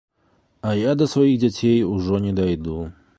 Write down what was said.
А я да сваіх дзяцей ужо не дайду.